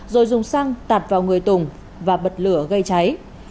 rồi dùng xăng tạt vào người tùng và bật lửa gây cháy